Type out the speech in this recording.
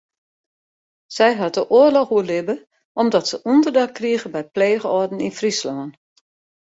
Sy hat de oarloch oerlibbe omdat se ûnderdak krige by pleechâlden yn Fryslân.